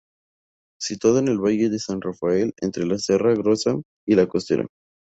Situado en el valle de San Rafael, entre la "Serra Grossa" y La Costera.